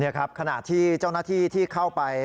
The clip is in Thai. นี่ครับขณะที่เจ้าหน้าที่ที่เข้าไป